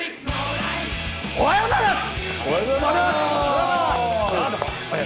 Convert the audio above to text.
おはようございます！